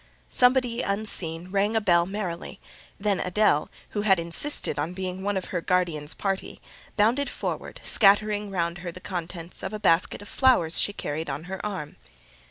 Somebody, unseen, rang the bell merrily; then Adèle (who had insisted on being one of her guardian's party), bounded forward, scattering round her the contents of a basket of flowers she carried on her arm.